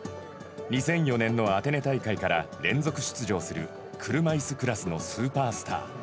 ２００４年のアテネ大会から連続出場する車いすクラスのスーパースター。